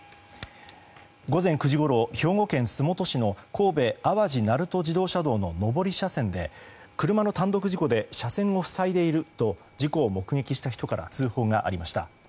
午前９時ごろ兵庫県洲本市の神戸淡路鳴門自動車道の上り車線で車の単独事故で車線を塞いでいると事故を目撃した人から通報がありました。